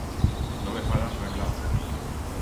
No me farás reblar.